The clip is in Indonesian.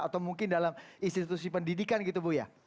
atau mungkin dalam institusi pendidikan gitu buya